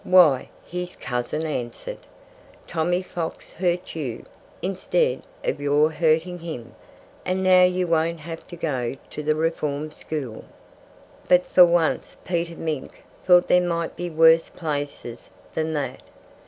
"Why," his cousin answered, "Tommy Fox hurt you, instead of your hurting him. And now you won't have to go to the Reform School." But for once Peter Mink thought there might be worse places than that.